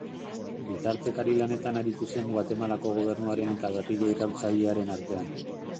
Bitartekari lanetan aritu zen Guatemalako gobernuaren eta gerrilla iraultzailearen artean.